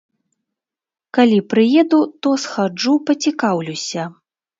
Калі прыеду, то схаджу пацікаўлюся.